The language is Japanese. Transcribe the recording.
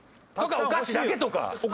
お菓子だけとか。